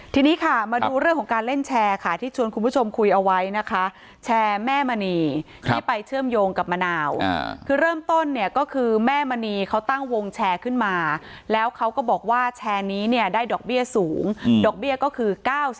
ทีนี้ค่ะมาดูเรื่องของการเล่นแชร์ค่ะที่ชวนคุณผู้ชมคุยเอาไว้นะคะแชร์แม่มณีที่ไปเชื่อมโยงกับมะนาวคือเริ่มต้นเนี่ยก็คือแม่มณีเขาตั้งวงแชร์ขึ้นมาแล้วเขาก็บอกว่าแชร์นี้เนี่ยได้ดอกเบี้ยสูงดอกเบี้ยก็คือ๙๐